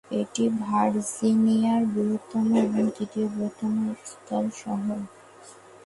এটা ভার্জিনিয়ার বৃহত্তম এবং তৃতীয় বৃহত্তম স্থল শহর।